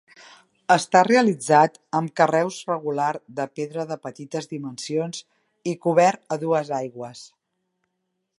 Està realitzat amb carreus regular de pedra de petites dimensions i cobert a dues aigües.